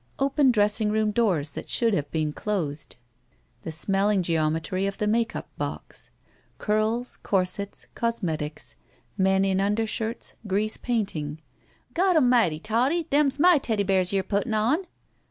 Open dressing room doors that should have been ' closed. The smelling geometry of the make up box. ^ Curls. Corsets. Cosmetics. Men in imdershirts, grease painting. Gawdalmighty, Tottie, them's my teddy bears you're puttin' on."